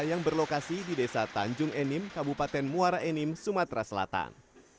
yang berlokasi di desa tanjung enim kabupaten muara enim sumatera selatan